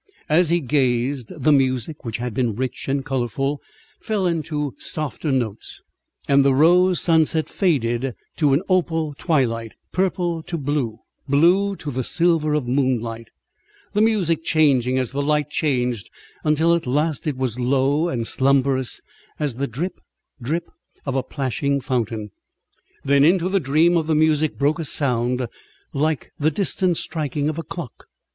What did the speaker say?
As he gazed, the music, which had been rich and colourful, fell into softer notes; and the rose sunset faded to an opal twilight, purple to blue, blue to the silver of moonlight, the music changing as the light changed, until at last it was low and slumberous as the drip drip of a plashing fountain. Then, into the dream of the music broke a sound like the distant striking of a clock.